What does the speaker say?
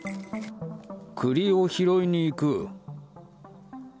栗を拾いに行く。